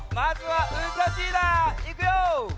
いくよ！